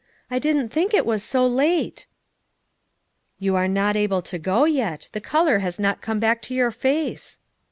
"I didn't think it was so late." "You are not able to go yet; the color has not come back to your face."